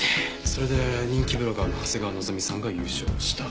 それで人気ブロガーの長谷川希美さんが優勝した。